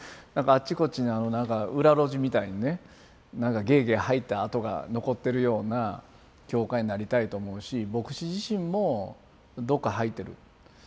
あっちこっちになんか裏路地みたいにねなんかゲーゲー吐いた跡が残ってるような教会になりたいと思うし牧師自身もどっか吐いてる。